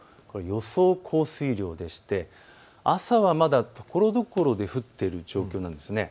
予想降水量でして朝はまだところどころで降っている状況なんです。